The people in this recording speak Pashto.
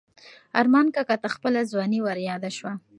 ارمان کاکا ته خپله ځواني وریاده شوه.